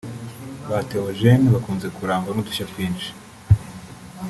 Ba Théogène bakunze kurangwa n’udushya twinshi